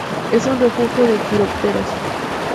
Es un refugio de quirópteros.